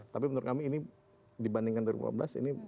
tapi menurut kami ini dibandingkan dua ribu lima belas ini